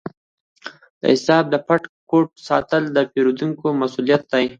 د حساب د پټ کوډ ساتل د پیرودونکي مسؤلیت دی۔